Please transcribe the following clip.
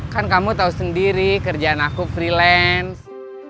kan kamu tahu sendiri kerjaan aku freelance